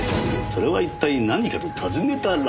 それは一体何かと尋ねたら。